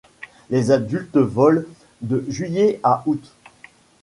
Les adultes volent de juillet à août.